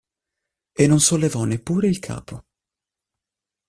E non sollevò neppure il capo.